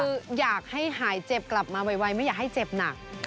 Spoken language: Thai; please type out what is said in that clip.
คืออยากให้หายเจ็บกลับมาไวไม่อยากให้เจ็บหนัก